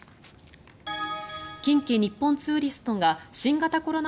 近畿日本ツーリストが新型コロナ